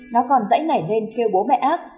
nó còn dãy nảy lên kêu bố mẹ ác